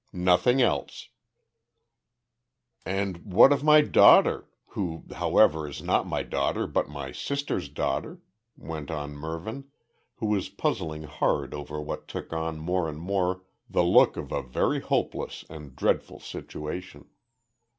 "Nothing else." "And what of my `daughter' who however is not my daughter, but my sister's daughter?" went on Mervyn, who was puzzling hard over what took on more and more the look of a very hopeless and dreadful situation.